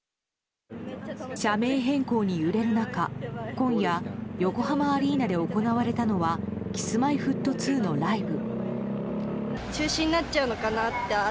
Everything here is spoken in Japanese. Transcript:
社名変更に揺れる中、今夜横浜アリーナで行われたのはＫｉｓ‐Ｍｙ‐Ｆｔ２のライブ。